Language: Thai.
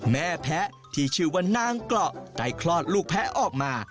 แม่แพ้ที่ชื่อว่านางเกราะได้คลอดลูกแพ้ออกมา